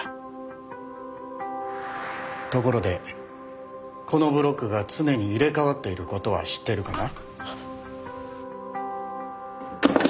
ところでこのブロックが常に入れ代わっていることは知ってるかな？